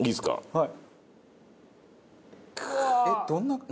はい。